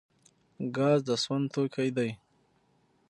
ګاز د سون توکی دی